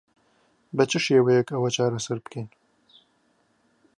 بە چ شێوەیەک ئەوە چارەسەر بکەین؟